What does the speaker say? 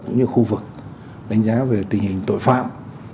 cũng như khu vực đánh giá về tình hình tội phạm